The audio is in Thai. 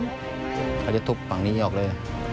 เขาจะทุบฝั่งนี้ออกเลย